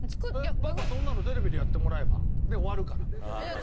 「パパそんなのテレビでやってもらえば？」で終わるから。